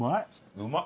うまっ！